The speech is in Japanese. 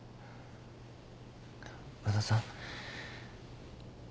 和田さん。